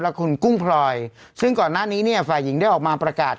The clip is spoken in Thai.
คุณกุ้งพลอยซึ่งก่อนหน้านี้เนี่ยฝ่ายหญิงได้ออกมาประกาศ